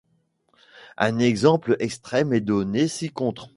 Un exemple extrême est donné ci-contre.